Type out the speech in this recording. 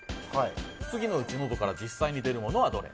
次のうち、のどから実際に出るものはどれ。